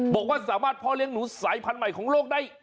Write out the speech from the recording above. บอกว่าสามารถพ่อเลี้ยงหนูสายพันธุ์ใหม่ของโลกได้